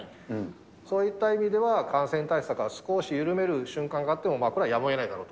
そういった意味では、感染対策は少し緩める瞬間があっても、これはやむをえないだろうと。